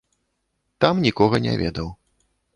Там нікога не ведаў.